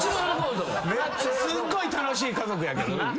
すっごい楽しい家族やけどな。